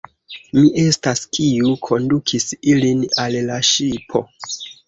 Mi estas, kiu kondukis ilin al la ŝipo.